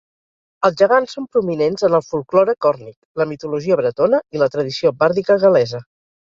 Els gegants són prominents en el folklore còrnic, la mitologia bretona i la tradició bàrdica gal·lesa.